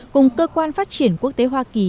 cùng cơ quan phát triển quốc tế hoa kỳ